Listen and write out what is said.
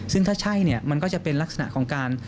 ซึ่งถ้าใช่มันก็จะเป็นภารกรรมลักษณะของการ